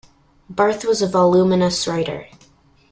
Barth was a voluminous writer.